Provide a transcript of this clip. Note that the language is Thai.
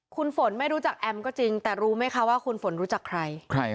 คุณฝนไม่รู้จักแอมก็จริงแต่รู้ไหมคะว่าคุณฝนรู้จักใคร